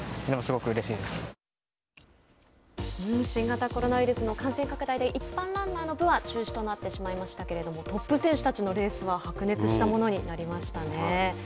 新型コロナウイルスの感染拡大で一般ランナーの部は中止となってしまいましたけれどもトップ選手たちのレースは白熱したものになりましたね。